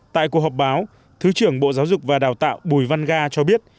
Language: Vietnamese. tại cuộc họp báo thứ trưởng bộ giáo dục và đào tạo bùi văn ga cho biết